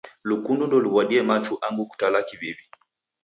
Lukundo ndeluw'adie machu angu kutala kiw'iw'i.